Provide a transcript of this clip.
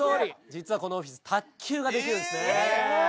実はこのオフィス卓球ができるんですね！